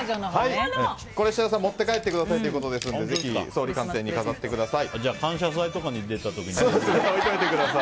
設楽さん持って帰ってくださいということですのでぜひ総理官邸に飾ってください。